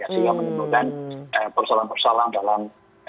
yang menimbulkan persalahan persalahan dalam